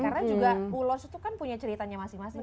karena juga ulos itu kan punya ceritanya masing masing